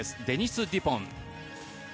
デニス・デュポン。